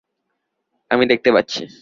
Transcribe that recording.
আমি দেখতে পাচ্ছি।